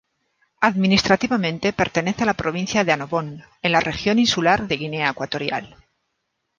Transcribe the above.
Administrativamente pertenece a la Provincia de Annobón en la Región Insular de Guinea Ecuatorial.